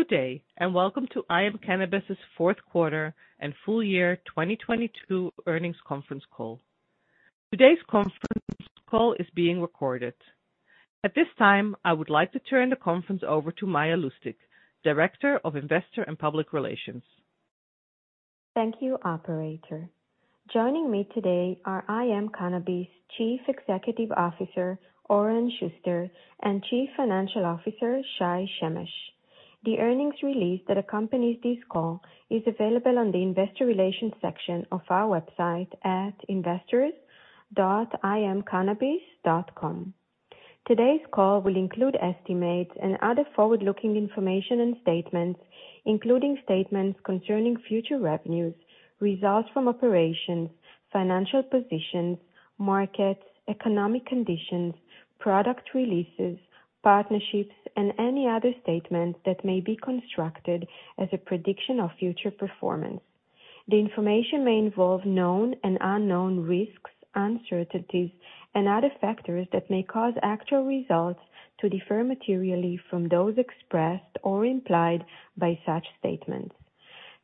Good day, and welcome to IM Cannabis's fourth quarter and full year 2022 earnings conference call. Today's conference call is being recorded. At this time, I would like to turn the conference over to Maya Lustig, Director of Investor and Public Relations. Thank you, operator. Joining me today are IM Cannabis Chief Executive Officer, Oren Shuster, and Chief Financial Officer, Shai Shemesh. The earnings release that accompanies this call is available on the investor relations section of our website at investors.imcannabis.com. Today's call will include estimates and other forward-looking information and statements, including statements concerning future revenues, results from operations, financial positions, markets, economic conditions, product releases, partnerships, and any other statements that may be constructed as a prediction of future performance. The information may involve known and unknown risks, uncertainties, and other factors that may cause actual results to differ materially from those expressed or implied by such statements.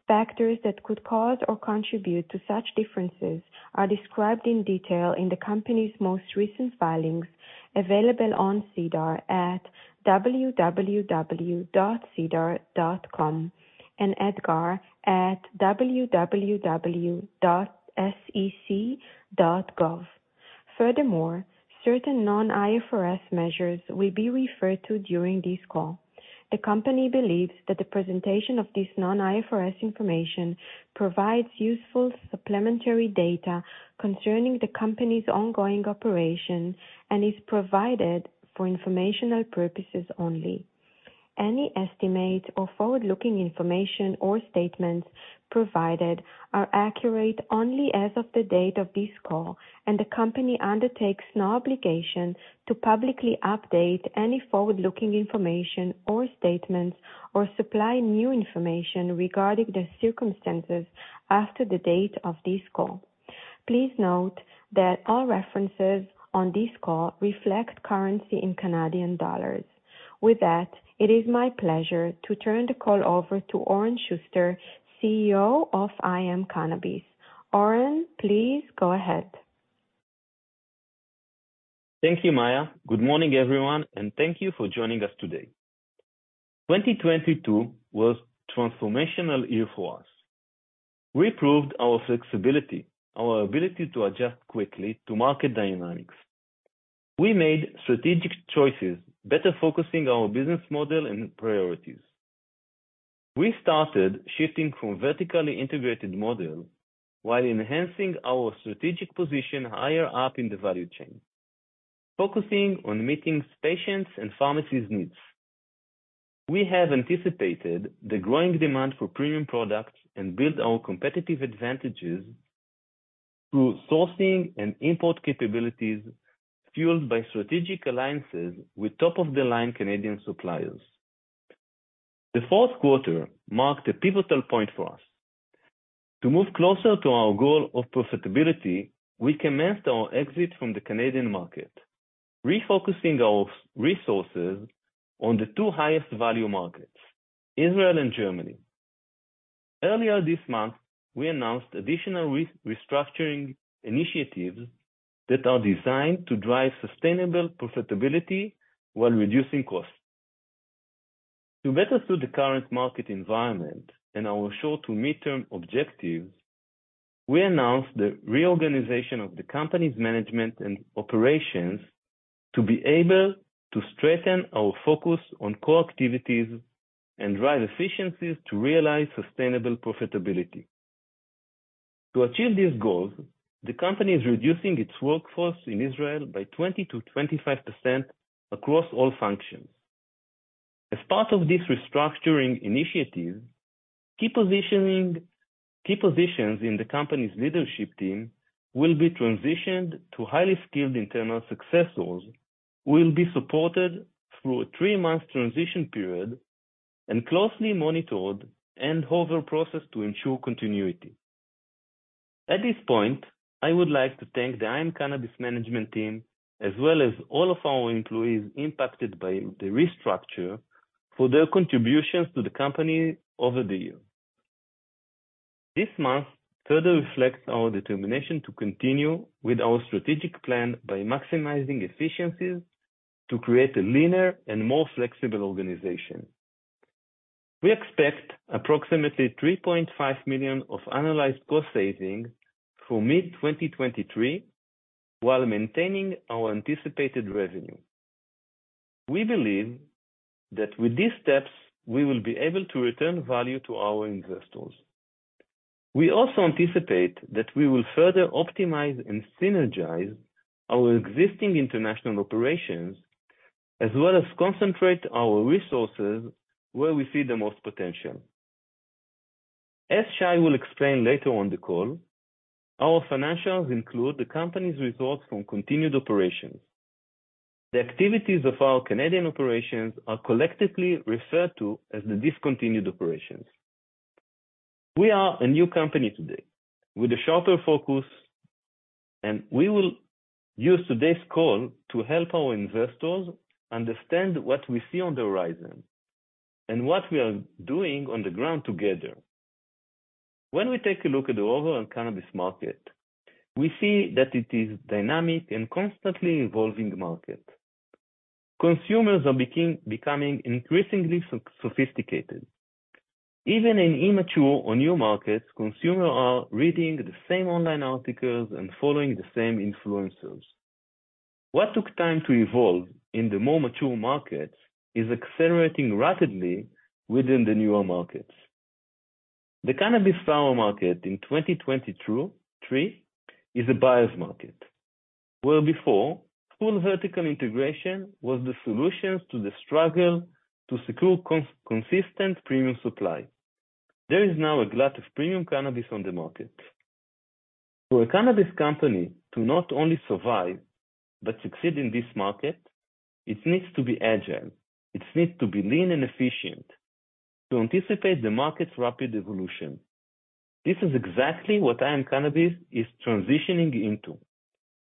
Factors that could cause or contribute to such differences are described in detail in the company's most recent filings available on SEDAR at www.sedar.com and EDGAR at www.sec.gov. Furthermore, certain non-IFRS measures will be referred to during this call. The company believes that the presentation of this non-IFRS information provides useful supplementary data concerning the company's ongoing operations and is provided for informational purposes only. Any estimates or forward-looking information or statements provided are accurate only as of the date of this call. The company undertakes no obligation to publicly update any forward-looking information or statements or supply new information regarding the circumstances after the date of this call. Please note that all references on this call reflect currency in Canadian dollars. With that, it is my pleasure to turn the call over to Oren Shuster, CEO of IM Cannabis. Oren, please go ahead. Thank you, Maya. Good morning, everyone, and thank you for joining us today. 2022 was transformational year for us. We proved our flexibility, our ability to adjust quickly to market dynamics. We made strategic choices, better focusing our business model and priorities. We started shifting from vertically integrated model while enhancing our strategic position higher up in the value chain, focusing on meeting patients and pharmacies' needs. We have anticipated the growing demand for premium products and build our competitive advantages through sourcing and import capabilities, fueled by strategic alliances with top-of-the-line Canadian suppliers. The fourth quarter marked a pivotal point for us. To move closer to our goal of profitability, we commenced our exit from the Canadian market, refocusing our resources on the two highest value markets, Israel and Germany. Earlier this month, we announced additional restructuring initiatives that are designed to drive sustainable profitability while reducing costs. To better suit the current market environment and our short to mid-term objectives, we announced the reorganization of the company's management and operations to be able to strengthen our focus on core activities and drive efficiencies to realize sustainable profitability. To achieve these goals, the company is reducing its workforce in Israel by 20%-25% across all functions. As part of this restructuring initiative, key positions in the company's leadership team will be transitioned to highly skilled internal successors, will be supported through a three-month transition period, and closely monitored and whole process to ensure continuity. At this point, I would like to thank the IM Cannabis management team, as well as all of our employees impacted by the restructure for their contributions to the company over the years. This month further reflects our determination to continue with our strategic plan by maximizing efficiencies to create a leaner and more flexible organization. We expect approximately 3.5 million of annualized cost saving for mid-2023, while maintaining our anticipated revenue. We believe that with these steps, we will be able to return value to our investors. We also anticipate that we will further optimize and synergize our existing international operations, as well as concentrate our resources where we see the most potential. As Shai will explain later on the call, our financials include the company's results from continued operations. The activities of our Canadian operations are collectively referred to as the discontinued operations. We are a new company today with a shorter focus. We will use today's call to help our investors understand what we see on the horizon and what we are doing on the ground together. When we take a look at the overall cannabis market, we see that it is dynamic and constantly evolving market. Consumers are becoming increasingly sophisticated. Even in immature or new markets, consumer are reading the same online articles and following the same influencers. What took time to evolve in the more mature markets is accelerating rapidly within the newer markets. The cannabis flower market in 2022-23 is a buyer's market. Before, full vertical integration was the solution to the struggle to secure consistent premium supply. There is now a glut of premium cannabis on the market. For a cannabis company to not only survive but succeed in this market, it needs to be agile. It needs to be lean and efficient to anticipate the market's rapid evolution. This is exactly what IM Cannabis is transitioning into,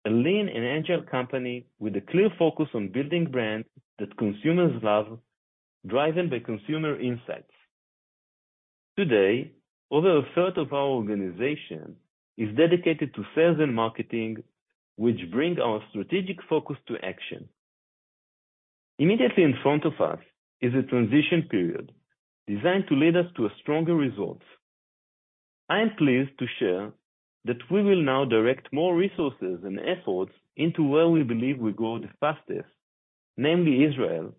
a lean and agile company with a clear focus on building brands that consumers love, driven by consumer insights. Today, over a third of our organization is dedicated to sales and marketing, which bring our strategic focus to action. Immediately in front of us is a transition period designed to lead us to a stronger results. I am pleased to share that we will now direct more resources and efforts into where we believe we grow the fastest, namely Israel,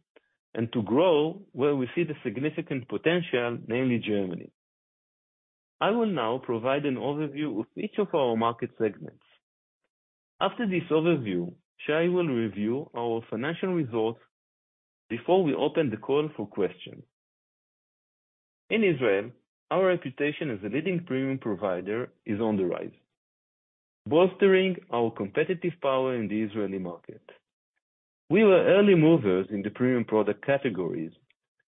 and to grow where we see the significant potential, namely Germany. I will now provide an overview of each of our market segments. After this overview, Shai will review our financial results before we open the call for questions. In Israel, our reputation as a leading premium provider is on the rise, bolstering our competitive power in the Israeli market. We were early movers in the premium product categories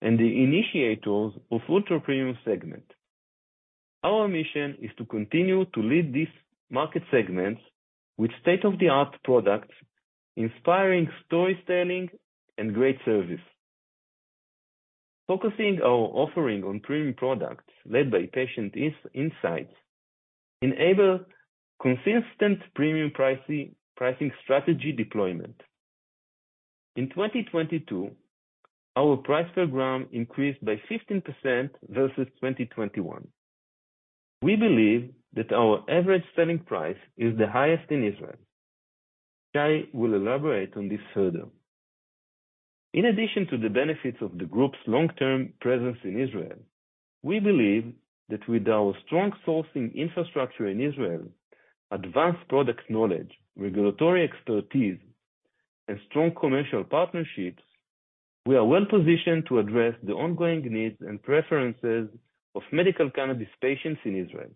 and the initiators of ultra-premium segment. Our mission is to continue to lead these market segments with state-of-the-art products, inspiring storytelling, and great service. Focusing our offering on premium products led by patient insights enable consistent premium pricing strategy deployment. In 2022, our price per gram increased by 15% versus 2021. We believe that our average selling price is the highest in Israel. Shai will elaborate on this further. In addition to the benefits of the group's long-term presence in Israel, we believe that with our strong sourcing infrastructure in Israel, advanced product knowledge, regulatory expertise, and strong commercial partnerships, we are well-positioned to address the ongoing needs and preferences of medical cannabis patients in Israel.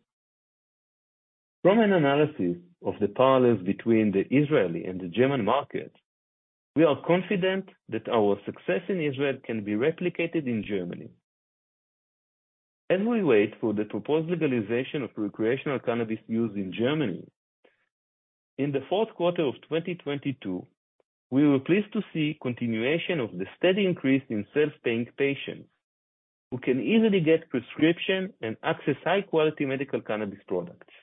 From an analysis of the parallels between the Israeli and the German market, we are confident that our success in Israel can be replicated in Germany. As we wait for the proposed legalization of recreational cannabis use in Germany, in the fourth quarter of 2022, we were pleased to see continuation of the steady increase in self-paying patients who can easily get prescription and access high-quality medical cannabis products.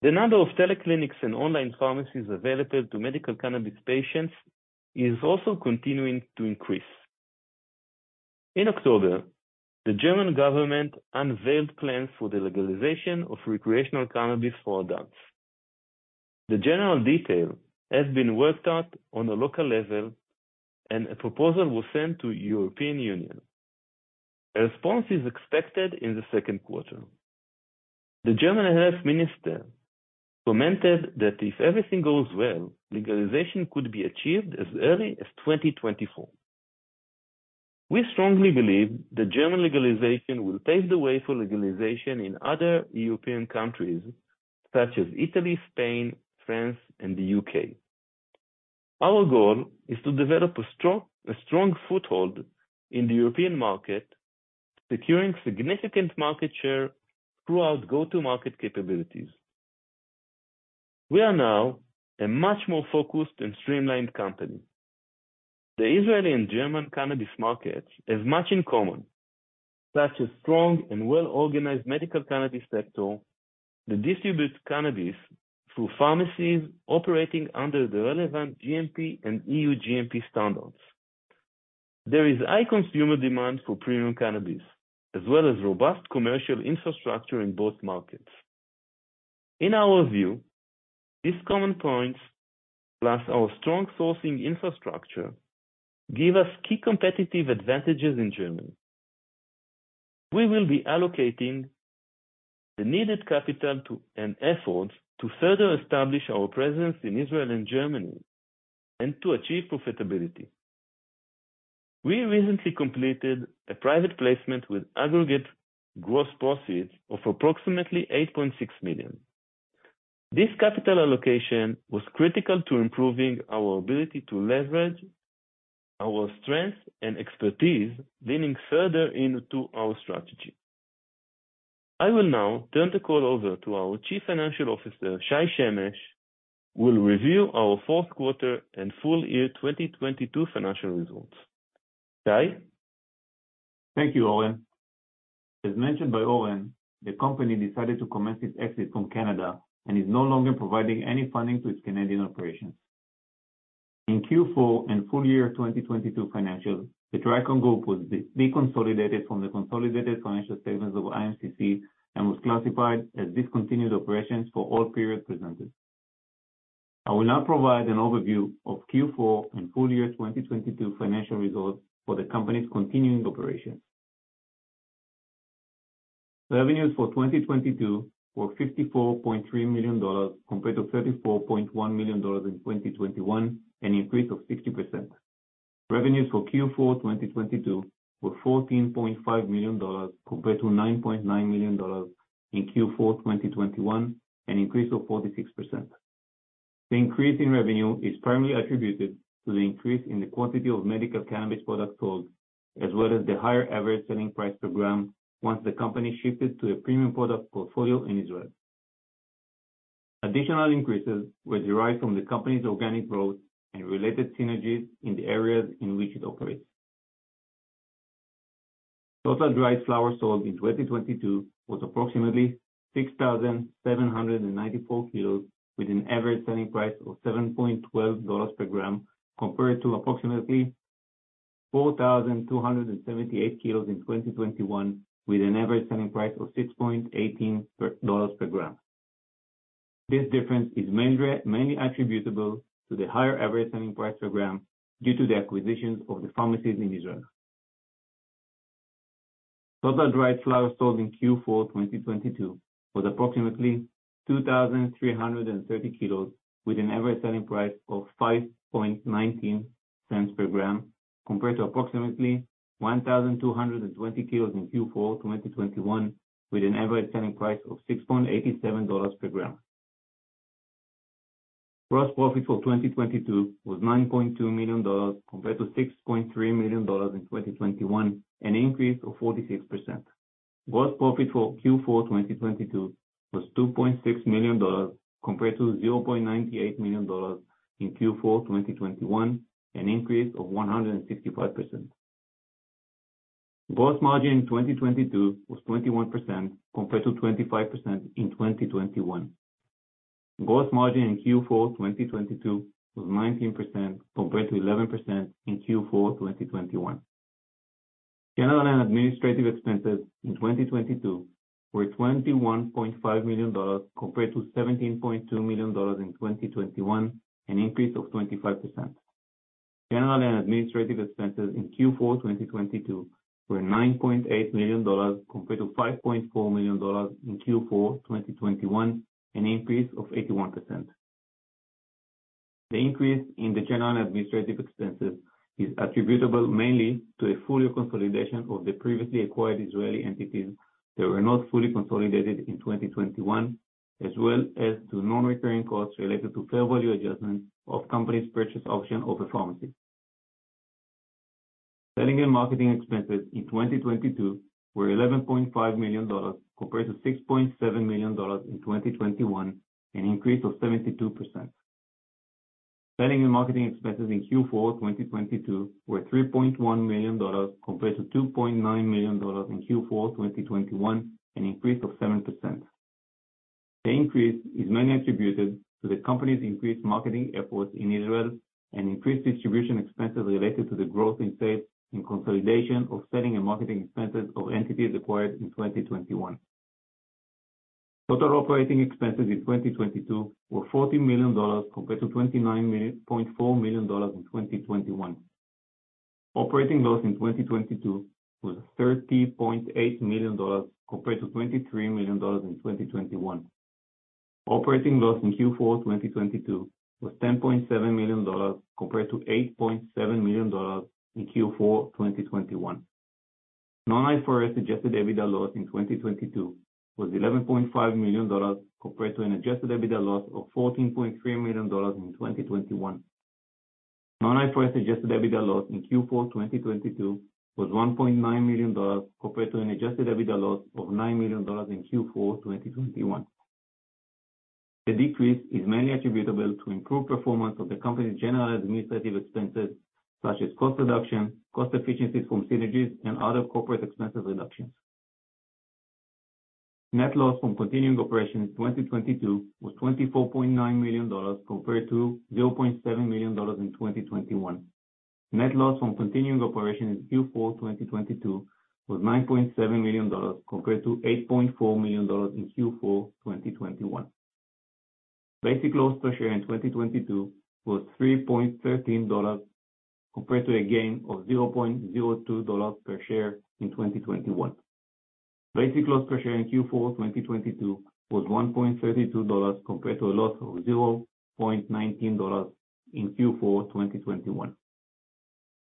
The number of teleclinics and online pharmacies available to medical cannabis patients is also continuing to increase. In October, the German government unveiled plans for the legalization of recreational cannabis for adults. The general detail has been worked out on a local level, and a proposal was sent to European Union. A response is expected in the second quarter. The German Health Minister commented that if everything goes well, legalization could be achieved as early as 2024. We strongly believe the German legalization will pave the way for legalization in other European countries such as Italy, Spain, France, and the UK. Our goal is to develop a strong foothold in the European market, securing significant market share throughout go-to-market capabilities. We are now a much more focused and streamlined company. The Israeli and German cannabis markets have much in common, such as strong and well-organized medical cannabis sector that distributes cannabis through pharmacies operating under the relevant GMP and EU GMP standards. There is high consumer demand for premium cannabis, as well as robust commercial infrastructure in both markets. In our view, these common points, plus our strong sourcing infrastructure, give us key competitive advantages in Germany. We will be allocating the needed capital and efforts to further establish our presence in Israel and Germany and to achieve profitability. We recently completed a private placement with aggregate gross proceeds of approximately 8.6 million. This capital allocation was critical to improving our ability to leverage our strength and expertise, leaning further into our strategy. I will now turn the call over to our Chief Financial Officer, Shai Shemesh, will review our fourth quarter and full year 2022 financial results. Shai? Thank you, Oren. As mentioned by Oren, the company decided to commence its exit from Canada and is no longer providing any funding to its Canadian operations. In Q4 and full year 2022 financials, the Trichome Group was de-consolidated from the consolidated financial statements of IMCC and was classified as discontinued operations for all periods presented. I will now provide an overview of Q4 and full year 2022 financial results for the company's continuing operations. Revenues for 2022 were 54.3 million dollars compared to 34.1 million dollars in 2021, an increase of 60%. Revenues for Q4 2022 were CAD 14.5 million compared to CAD 9.9 million in Q4 2021, an increase of 46%. The increase in revenue is primarily attributed to the increase in the quantity of medical cannabis products sold, as well as the higher average selling price per gram once the company shifted to a premium product portfolio in Israel. Additional increases were derived from the company's organic growth and related synergies in the areas in which it operates. Total dried flower sold in 2022 was approximately 6,794 kilos with an average selling price of 7.12 dollars per gram compared to approximately 4,278 kilos in 2021 with an average selling price of 6.18 dollars per gram. This difference is mainly attributable to the higher average selling price per gram due to the acquisitions of the pharmacies in Israel. Total dried flower sold in Q4 2022 was approximately 2,330 kilos with an average selling price of 5.19 cents per gram compared to approximately 1,220 kilos in Q4 2021 with an average selling price of 6.87 dollars per gram. Gross profit for 2022 was 9.2 million dollars compared to 6.3 million dollars in 2021, an increase of 46%. Gross profit for Q4 2022 was 2.6 million dollars compared to 0.98 million dollars in Q4 2021, an increase of 165%. Gross margin in 2022 was 21% compared to 25% in 2021. Gross margin in Q4 2022 was 19% compared to 11% in Q4 2021. General and administrative expenses in 2022 were 21.5 million dollars compared to 17.2 million dollars in 2021, an increase of 25%. General and administrative expenses in Q4 2022 were 9.8 million dollars compared to 5.4 million dollars in Q4 2021, an increase of 81%. The increase in the general and administrative expenses is attributable mainly to a full-year consolidation of the previously acquired Israeli entities that were not fully consolidated in 2021, as well as to non-recurring costs related to fair value adjustment of company's purchase option of a pharmacy. Selling and marketing expenses in 2022 were 11.5 million dollars compared to 6.7 million dollars in 2021, an increase of 72%. Selling and marketing expenses in Q4 2022 were 3.1 million dollars compared to 2.9 million dollars in Q4 2021, an increase of 7%. The increase is mainly attributed to the company's increased marketing efforts in Israel and increased distribution expenses related to the growth in sales and consolidation of selling and marketing expenses of entities acquired in 2021. Total operating expenses in 2022 were CAD 40 million compared to CAD 29.4 million in 2021. Operating loss in 2022 was CAD 30.8 million compared to CAD 23 million in 2021. Operating loss in Q4 2022 was CAD 10.7 million compared to CAD 8.7 million in Q4 2021. Non-IFRS adjusted EBITDA loss in 2022 was 11.5 million dollars compared to an adjusted EBITDA loss of 14.3 million dollars in 2021. Non-IFRS adjusted EBITDA loss in Q4 2022 was 1.9 million dollars compared to an adjusted EBITDA loss of 9 million dollars in Q4 2021. The decrease is mainly attributable to improved performance of the company's general administrative expenses, such as cost reduction, cost efficiencies from synergies, and other corporate expense reductions. Net loss from continuing operations in 2022 was 24.9 million dollars compared to 0.7 million dollars in 2021. Net loss from continuing operations in Q4 2022 was 9.7 million dollars compared to 8.4 million dollars in Q4 2021. Basic loss per share in 2022 was 3.13 dollars compared to a gain of 0.02 dollars per share in 2021. Basic loss per share in Q4 2022 was 1.32 dollars compared to a loss of 0.19 dollars in Q4 2021.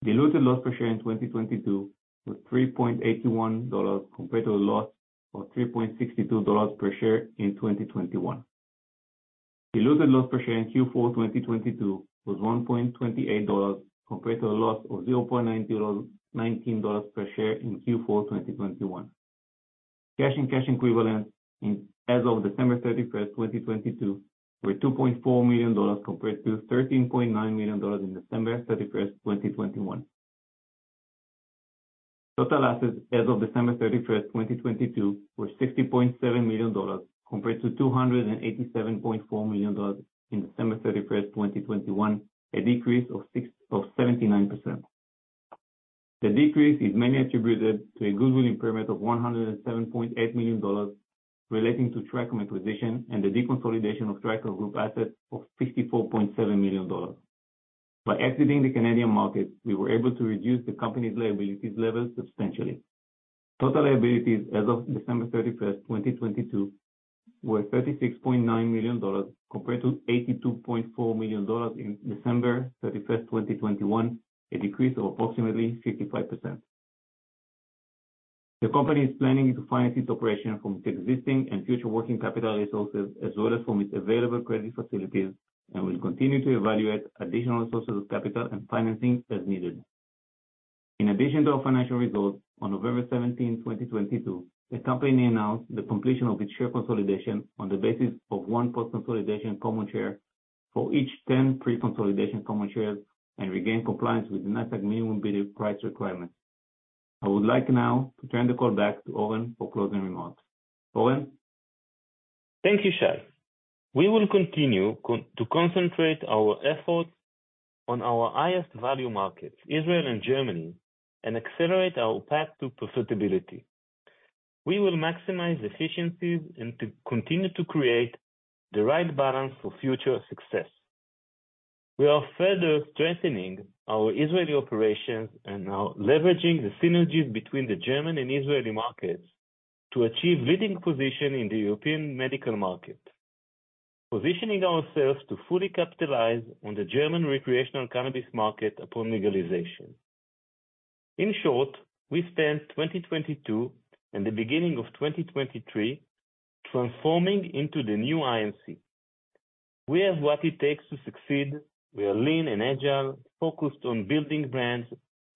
Diluted loss per share in 2022 was CAD 3.81 compared to a loss of CAD 3.62 per share in 2021. Diluted loss per share in Q4 2022 was CAD 1.28 compared to a loss of 0.19 per share in Q4 2021. Cash and cash equivalents as of December 31st, 2022 were CAD 2.4 million compared to CAD 13.9 million in December 31st, 2021. Total assets as of December 31, 2022 were 60.7 million dollars compared to 287.4 million dollars in December 31, 2021, a decrease of 79%. The decrease is mainly attributed to a goodwill impairment of 107.8 million dollars relating to Trichome acquisition and the deconsolidation of Trichome Group assets of 54.7 million dollars. By exiting the Canadian market, we were able to reduce the company's liabilities level substantially. Total liabilities as of December 31, 2022 were 36.9 million dollars compared to 82.4 million dollars in December 31, 2021, a decrease of approximately 55%. The company is planning to finance its operation from its existing and future working capital resources as well as from its available credit facilities and will continue to evaluate additional sources of capital and financing as needed. In addition to our financial results, on November 17, 2022, the company announced the completion of its share consolidation on the basis of 1 post-consolidation common share for each 10 pre-consolidation common shares and regained compliance with the NASDAQ minimum bid price requirement. I would like now to turn the call back to Oren for closing remarks. Oren? Thank you, Shai. We will continue to concentrate our efforts on our highest value markets, Israel and Germany, and accelerate our path to profitability. We will maximize efficiencies and to continue to create the right balance for future success. We are further strengthening our Israeli operations and are leveraging the synergies between the German and Israeli markets to achieve leading position in the European medical market, positioning ourselves to fully capitalize on the German recreational cannabis market upon legalization. In short, we spent 2022 and the beginning of 2023 transforming into the new IMC. We have what it takes to succeed. We are lean and agile, focused on building brands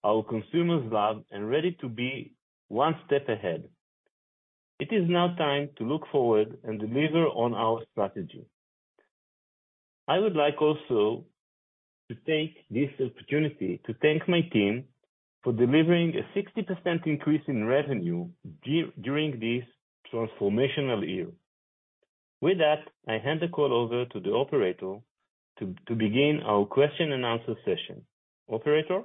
our consumers love and ready to be one step ahead. It is now time to look forward and deliver on our strategy. I would like also to take this opportunity to thank my team for delivering a 60% increase in revenue during this transformational year. With that, I hand the call over to the operator to begin our question and answer session. Operator?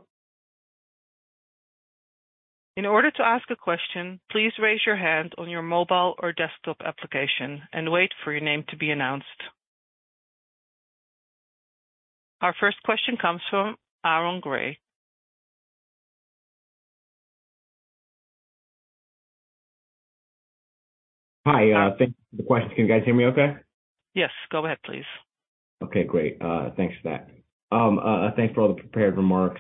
In order to ask a question, please raise your hand on your mobile or desktop application and wait for your name to be announced. Our first question comes from Aaron Grey. Hi, thanks for the question. Can you guys hear me okay? Yes, go ahead, please. Okay, great. Thanks for that. Thanks for all the prepared remarks.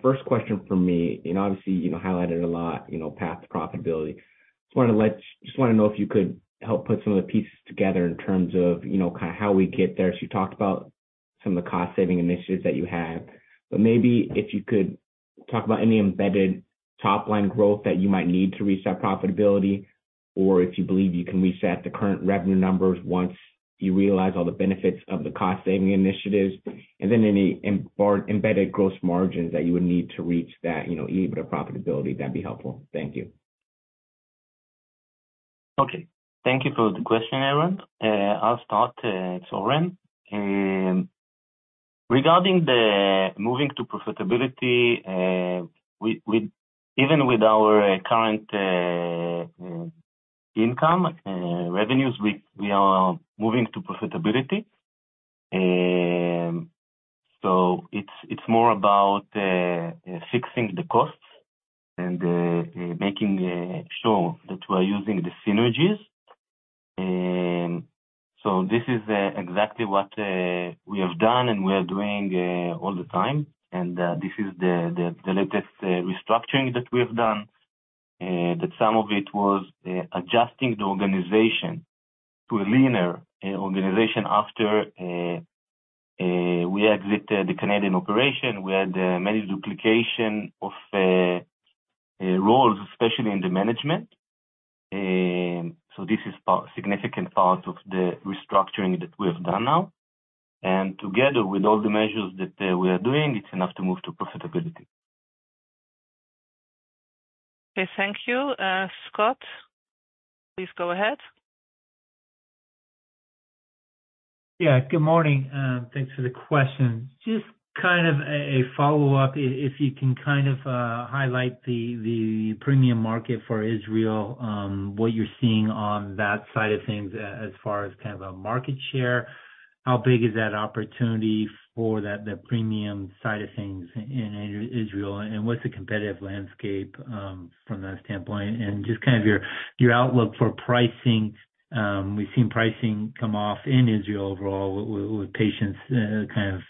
First question from me, you know, obviously, you know, highlighted a lot, you know, path to profitability. Just want to know if you could help put some of the pieces together in terms of, you know, kinda how we get there. You talked about some of the cost-saving initiatives that you have, but maybe if you could talk about any embedded top-line growth that you might need to reach that profitability, or if you believe you can reach that, the current revenue numbers once you realize all the benefits of the cost-saving initiatives, and then any embedded gross margins that you would need to reach that, you know, EBITDA profitability, that would be helpful. Thank you. Okay. Thank you for the question, Aaron Grey. I'll start. It's Oren Shuster. Regarding the moving to profitability, even with our current income revenues, we are moving to profitability. It's more about fixing the costs and making sure that we're using the synergies. This is exactly what we have done, and we are doing all the time, and this is the latest restructuring that we have done, that some of it was adjusting the organization to a leaner organization. After we exit the Canadian operation, we had many duplication of roles, especially in the management. This is significant part of the restructuring that we have done now. Together with all the measures that we are doing, it's enough to move to profitability. Okay. Thank you. Scott, please go ahead. Yeah. Good morning. Thanks for the question. Just kind of a follow-up if you can kind of highlight the premium market for Israel, what you're seeing on that side of things as far as kind of a market share, how big is that opportunity for that, the premium side of things in Israel, and what's the competitive landscape from that standpoint? Just kind of your outlook for pricing. We've seen pricing come off in Israel overall with patients, kind of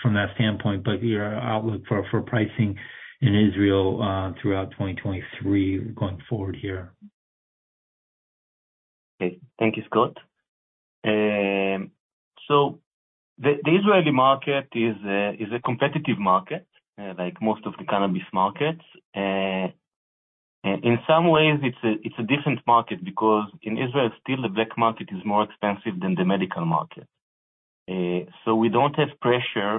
from that standpoint, but your outlook for pricing in Israel throughout 2023 going forward here. Okay. Thank you, Scott. The Israeli market is a competitive market, like most of the cannabis markets. In some ways it's a different market because in Israel still the black market is more expensive than the medical market. We don't have pressure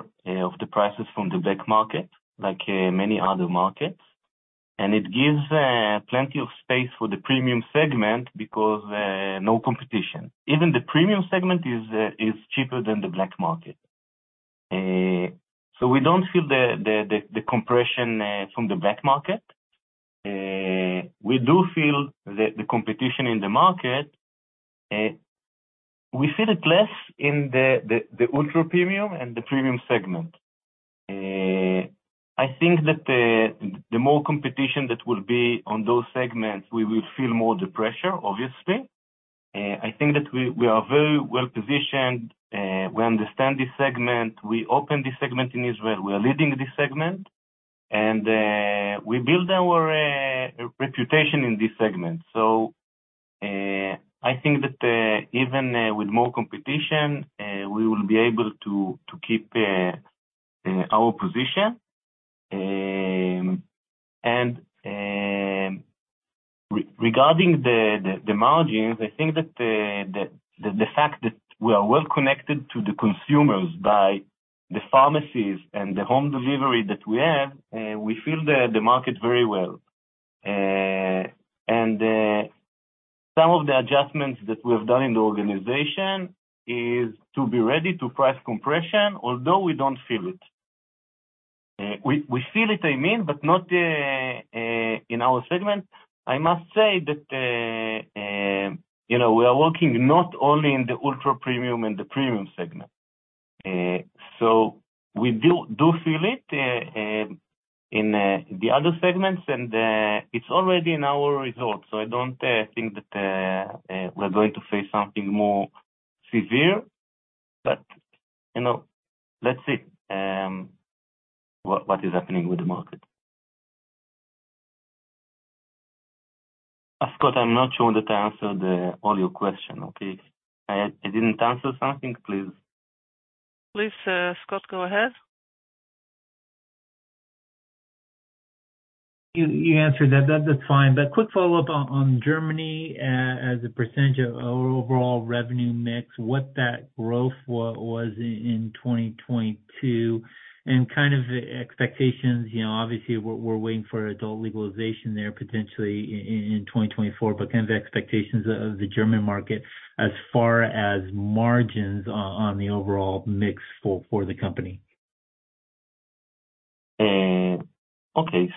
of the prices from the black market like many other markets, and it gives plenty of space for the premium segment because no competition. Even the premium segment is cheaper than the black market. We don't feel the compression from the black market. We do feel the competition in the market. We feel it less in the ultra-premium and the premium segment. I think that the more competition that will be on those segments, we will feel more the pressure, obviously. I think that we are very well-positioned. We understand this segment. We opened this segment in Israel. We are leading this segment. We build our reputation in this segment. I think that even with more competition, we will be able to keep our position. Regarding the margins, I think that the fact that we are well connected to the consumers by the pharmacies and the home delivery that we have, we feel the market very well. Some of the adjustments that we have done in the organization is to be ready to price compression although we don't feel it. we feel it, I mean, but not in our segment. I must say that, you know, we are working not only in the ultra-premium and the premium segment. We do feel it in the other segments and it's already in our results, so I don't think that we're going to face something more severe. You know, let's see what is happening with the market. Scott, I'm not sure that I answered all your question, okay. I didn't answer something? Please. Please, Scott, go ahead. You answered that. That's fine. Quick follow-up on Germany as a % of overall revenue mix, what that growth was in 2022, and kind of the expectations. You know, obviously we're waiting for adult legalization there potentially in 2024, but kind of the expectations of the German market as far as margins on the overall mix for the company? Okay.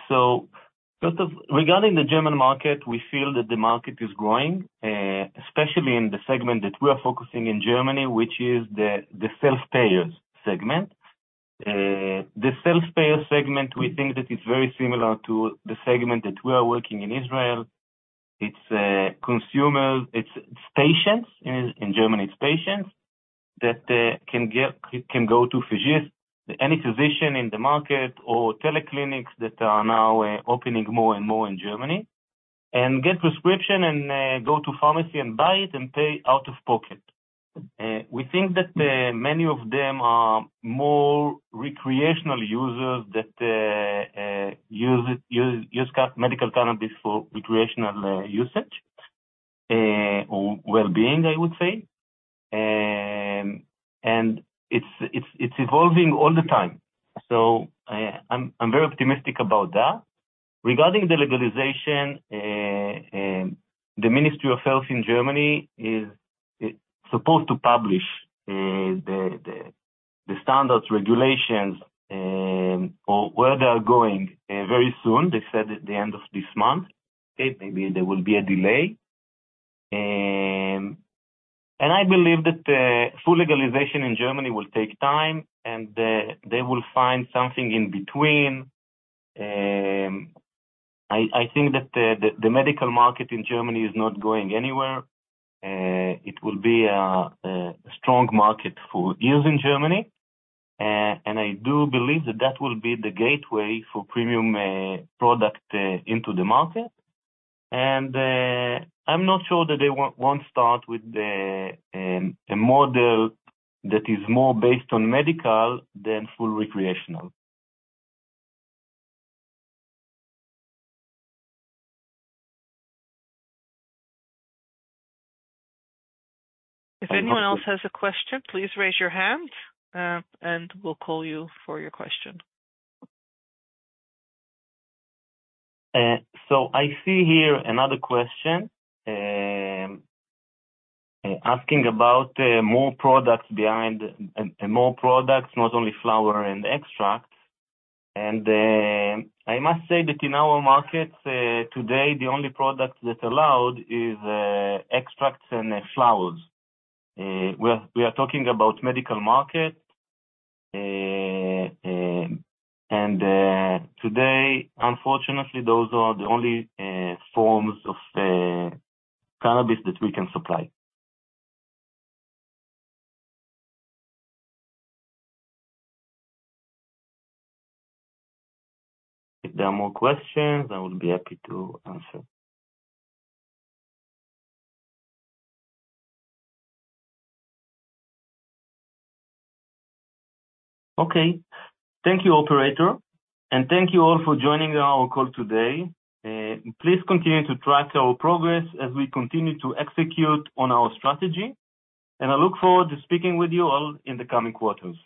First of Regarding the German market, we feel that the market is growing, especially in the segment that we are focusing in Germany, which is the self-payers segment. The self-payers segment, we think that it's very similar to the segment that we are working in Israel. It's consumers, it's patients. In Germany, it's patients that can go to any physician in the market or teleclinics that are now opening more and more in Germany, and get prescription and go to pharmacy and buy it and pay out of pocket. We think that many of them are more recreational users that use medical cannabis for recreational usage, or well-being, I would say. It's evolving all the time. I'm very optimistic about that. Regarding the legalization, the Ministry of Health in Germany is supposed to publish the standards, regulations, or where they are going very soon. They said at the end of this month. Okay. Maybe there will be a delay. I believe that full legalization in Germany will take time, and they will find something in between. I think that the medical market in Germany is not going anywhere. It will be a strong market for years in Germany. I do believe that that will be the gateway for premium product into the market. I'm not sure that they won't start with a model that is more based on medical than full recreational. If anyone else has a question, please raise your hand, and we'll call you for your question. I see here another question asking about more products, not only flower and extract. I must say that in our markets today the only product that's allowed is extracts and flowers. We are talking about medical market. Today, unfortunately, those are the only forms of cannabis that we can supply. If there are more questions, I would be happy to answer. Okay. Thank you, operator, and thank you all for joining our call today. Please continue to track our progress as we continue to execute on our strategy. I look forward to speaking with you all in the coming quarters.